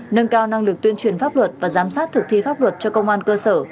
nâng cao năng lực tuyên truyền pháp luật và giám sát thực thi pháp luật cho công an cơ sở